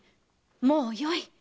もうよい！